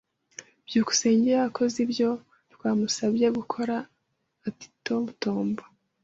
byukusenge yakoze ibyo twamusabye gukora atitotomba.